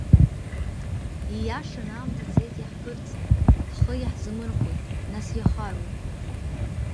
Ииашан аамҭа цеит иаҳԥырҵны, ҳхы иаҳзамырхәеит, нас иахарои?!